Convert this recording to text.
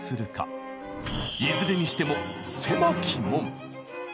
いずれにしても狭き門！